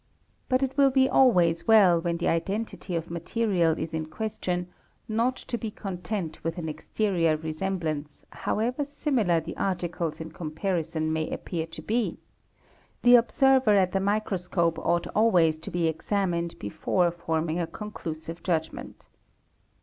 But it will be always well when the identity of © material is in question not to be content with an exterior resemblance ~ however similar the articles in comparison may appear to be; the observer at the microscope ought always to be examined before forming a conclu : sive judgment.